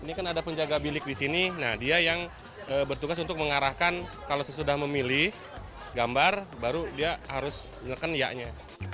ini kan ada penjaga bilik di sini nah dia yang bertugas untuk mengarahkan kalau sesudah memilih gambar baru dia harus nyeleken yaknya